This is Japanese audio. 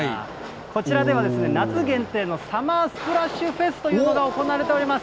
こちらでは、夏限定のサマースプラッシュフェスというものが行われております。